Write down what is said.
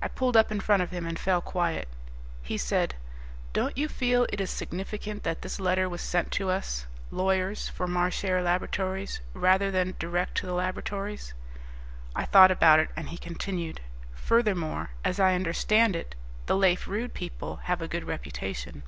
I pulled up in front of him and fell quiet. He said, "Don't you feel it is significant that this letter was sent to us, lawyers for Marchare Laboratories, rather than direct to the Laboratories?" I thought about it, and he continued, "Furthermore, as I understand it, the Lafe Rude people have a good reputation."